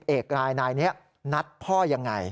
๑๐เอกนายนี้นัดพ่อย่างไร